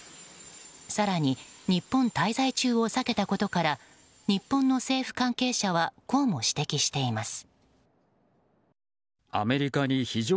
更に日本滞在中を避けたことから日本の政府関係者はこうも指摘しています。